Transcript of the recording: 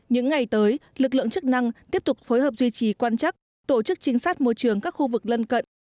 những ngày tới lực lượng chức năng tiếp tục phối hợp duy trì quan chắc tổ chức trinh sát môi trường các khu vực lân cận